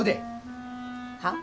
はっ？